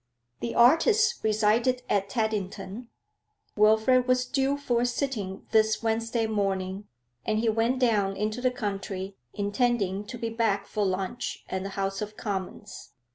The artist resided at Teddington. Wilfrid was due for a sitting this Wednesday morning, and he went down into the country, intending to be back for lunch and the House of Commons.